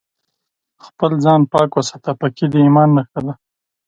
خپل ځان پاک وساته ، پاکي د ايمان نښه ده